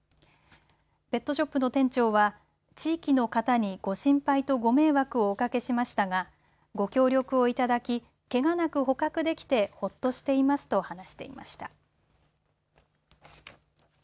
ペットショップの店長は地域の方にご心配とご迷惑をおかけしましたがご協力をいただき、けがなく捕獲できてほっとしていますと話していました。